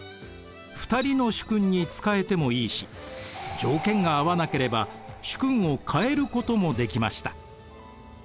２人の主君に仕えてもいいし条件が合わなければ主君を変えることもできました。